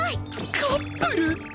カップル！？